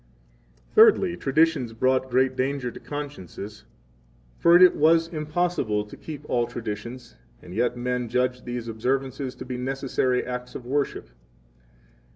12 Thirdly, traditions brought great danger to consciences; for it was impossible to keep all traditions, and yet men judged these observances to be necessary acts of worship.